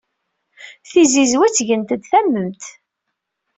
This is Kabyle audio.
Tizizwa ttgent-d tamemt.